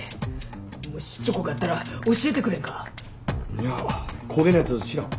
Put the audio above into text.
んにゃこげなやつ知らん。